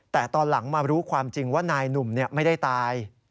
แต่ตอนหลังมารู้ความจริงว่านายหนุ่มไม่ได้ตาย